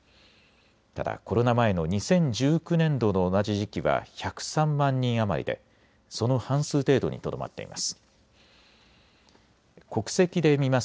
ただ、コロナ前の２０１９年度の同じ時期は１０３万人余りでその半数程度にとどまっています。